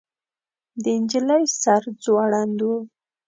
د نجلۍ سر ځوړند و.